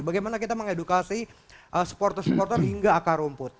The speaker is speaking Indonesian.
bagaimana kita mengedukasi supporter supporter hingga akar rumput